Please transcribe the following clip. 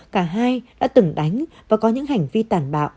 cả hai đã từng đánh và có những hành vi tàn bạo